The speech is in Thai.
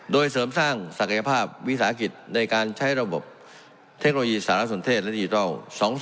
โดยเสริมสร้างศักยภาพวิสาหกิจในการใช้ระบบเทคโนโลยีสารสนเทศและดิจิทัล๒๐